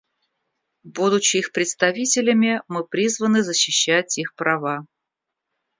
Будучи их представителями, мы призваны защищать их права.